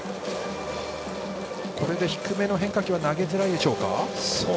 これで低めの変化球は投げづらいでしょうか。